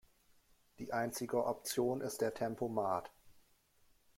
Die einzige Option ist der Tempomat.